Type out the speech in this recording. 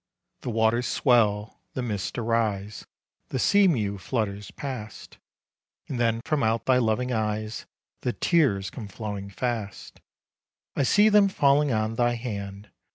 The waters swell, the mists arise, The sea mew flutters past, And then from out thy loving eyes The tears come flowing fast. I see them falling on thy hand.